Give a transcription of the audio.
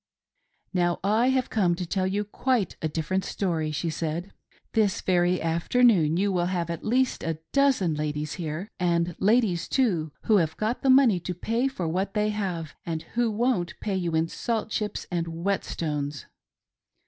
" Now / have come to tell you quite a different story," she said, "This very afternoon you will have at least a dozen ladies here ; and ladies, too, who have got the money to pay for what they have, and who won't pay you in salt chips and whet stones."